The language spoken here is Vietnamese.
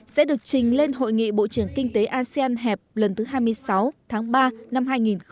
sẽ được trình lên hội nghị bộ trưởng kinh tế asean hẹp lần thứ hai mươi sáu tháng ba năm hai nghìn hai mươi